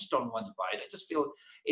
saya tidak mau membelinya